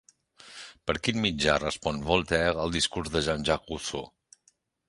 Per quin mitjà respon Voltaire al Discurs de Jean-Jacques Rousseau?